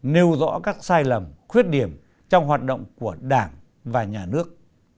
nêu rõ các sai lầm khuyết điểm trong hoạt động của đảng và nhà nước